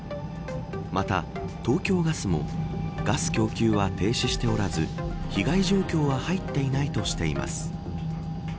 また、東京ガスもガス供給は停止しておらず被害状況は入っていないとしています。